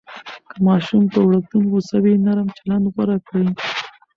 که ماشوم پر وړکتون غوصه وي، نرم چلند غوره کړئ.